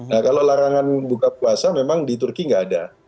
nah kalau larangan buka puasa memang di turki nggak ada